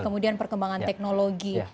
kemudian perkembangan teknologi